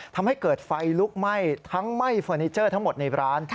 ทำให้เกิดไฟลุกไหม้ทั้งไหม้เฟอร์นิเจอร์ทั้งหมดในร้าน